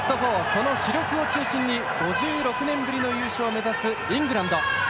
その主力を中心に５６年ぶりの優勝を目指すイングランド。